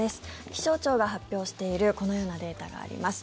気象庁が発表しているこのようなデータがあります。